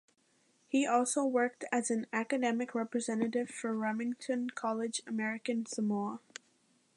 He also worked as an academic representative for Remington College American Samoa.